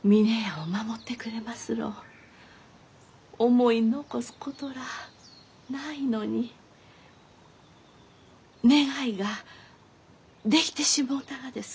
思い残すことらあないのに願いができてしもうたがです。